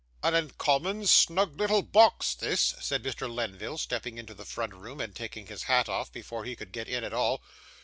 'An uncommon snug little box this,' said Mr. Lenville, stepping into the front room, and taking his hat off, before he could get in at all.